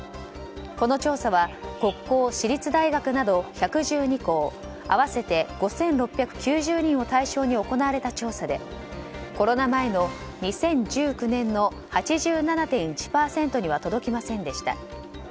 この調査は国公・私立大学など１１２校合わせて５６９０人を対象に行われた調査でコロナ前の２０１９年の８７．１％には届きませんでした。